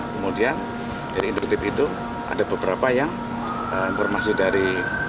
kemudian dari induktif itu ada beberapa yang informasi dari